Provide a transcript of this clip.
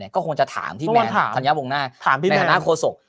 ก็คงจะถามที่แมนธัญญาวงหน้าในฐานะโฆษก